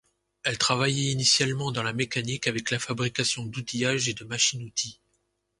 Elle travaillait initialement dans la mécanique avec la fabrication d’outillage et de machines-outils.